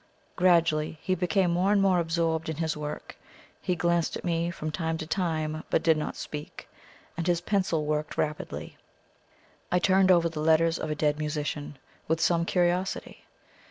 Gradually he became more and more absorbed in his work; he glanced at me from time to time, but did not speak, and his pencil worked rapidly. I turned over the "Letters of a Dead Musician" with some curiosity.